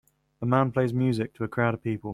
A man plays music to a crowd of people.